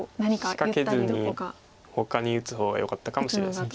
仕掛けずにほかに打つ方がよかったかもしれないです。